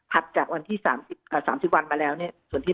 จากวันที่๓๐วันมาแล้วเนี่ยส่วนที่